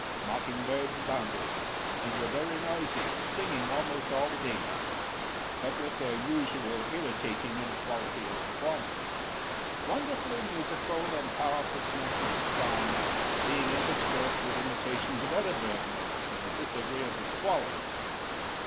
Mocking birds abounded, and were very noisy, singing almost all the daytime, but with their usual irritating inequality of performance, wonderfully musical and powerful snatches of song being interspersed with imitations of other bird notes and disagreeable squalling.